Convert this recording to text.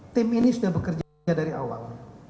tim ini sudah bekerja dari awal